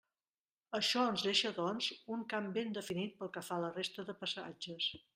Això ens deixa, doncs, un camp ben definit pel que fa a la resta de passatges.